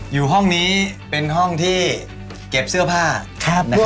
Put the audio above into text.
อยู่ห้องนี้เป็นห้องที่เก็บเสื้อผ้า